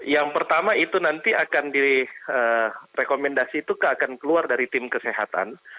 yang pertama itu nanti akan direkomendasi itu akan keluar dari tim kesehatan